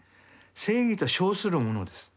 正義と称するものです。